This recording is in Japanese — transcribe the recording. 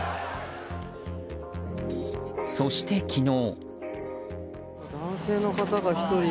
そして、昨日。